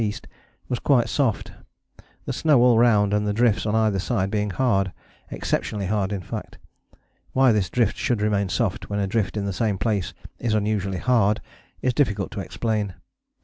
E., was quite soft, the snow all round and the drifts on either side being hard exceptionally hard in fact. Why this drift should remain soft when a drift in the same place is usually hard is difficult to explain.